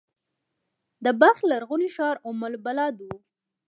د بلخ لرغونی ښار ام البلاد و